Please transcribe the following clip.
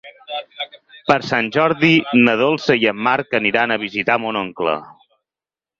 Per Sant Jordi na Dolça i en Marc aniran a visitar mon oncle.